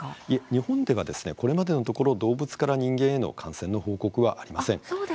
日本ではこれまでのところ動物から人間への感染の報告はありません。